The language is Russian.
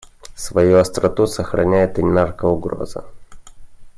Свою остроту сохраняет и наркоугроза.